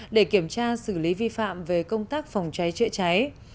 để kiểm tra xử lý vi phạm về công tác phòng cháy chữa cháy